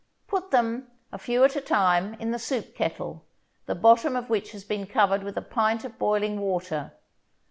Put them, a few at a time, in the soup kettle, the bottom of which has been covered with a pint of boiling water.